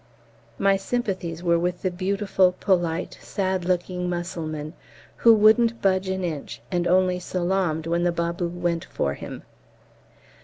My sympathies were with the beautiful, polite, sad looking M., who wouldn't budge an inch, and only salaamed when the Babu went for him.